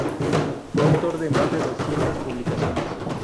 Fue autor de más de doscientas publicaciones.